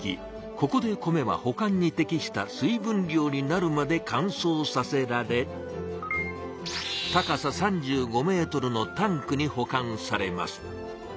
ここで米は保管に適した水分量になるまで乾燥させられ高さ３５ｍのタンクに保管されます。